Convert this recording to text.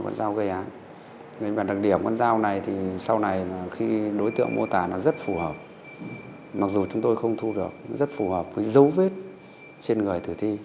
con dao gây án đặc điểm con dao này sau này khi đối tượng mô tả nó rất phù hợp mặc dù chúng tôi không thu được rất phù hợp với dấu vết trên người thử thi